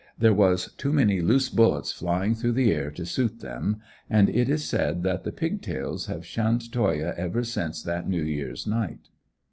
There was too many loose bullets flying through the air to suit them; and it is said that the "Pig tails" have shunned Toyah ever since that New Year's night.